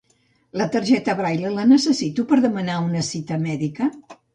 La targeta Braille la necessito per demanar una cita mèdica?